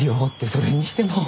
それにしても。